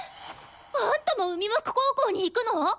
あんたも海幕高校に行くの！？